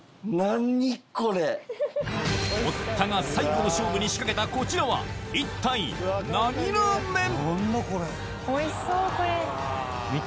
堀田が最後の勝負に仕掛けたこちらは一体何ラーメン？